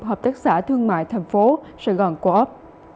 hợp tác xã thương mại tp sài gòn coop